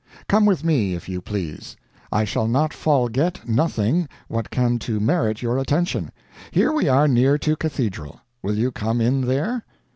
Come with me, if you please. I shall not folget nothing what can to merit your attention. Here we are near to cathedral; will you come in there?